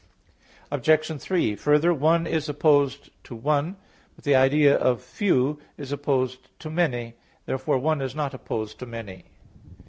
Obj. 3: Further, "one" is opposed to "one." But the idea of "few" is opposed to "many." Therefore "one" is not opposed to "many."